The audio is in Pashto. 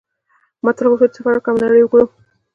ما تل غوښتل چې سفر وکړم او نړۍ وګورم